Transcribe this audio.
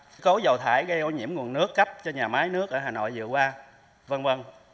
sự cố dầu thải gây ô nhiễm nguồn nước cấp cho nhà máy nước ở hà nội vừa qua v v